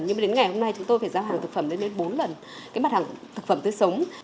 nhưng đến ngày hôm nay chúng tôi phải giao hàng thực phẩm lên đến bốn lần cái mặt hàng thực phẩm tươi sống